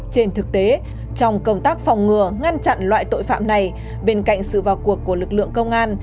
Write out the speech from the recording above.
trên thực tế trong công tác phòng ngừa ngăn chặn loại tội phạm này bên cạnh sự vào cuộc của lực lượng công an